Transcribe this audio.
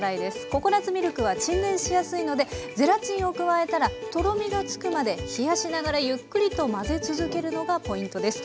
ココナツミルクは沈殿しやすいのでゼラチンを加えたらとろみがつくまで冷やしながらゆっくりと混ぜ続けるのがポイントです。